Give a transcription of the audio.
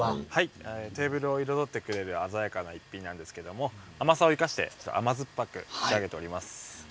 テーブルを彩ってくれる鮮やかさですが甘さを生かして甘酸っぱく仕上げています。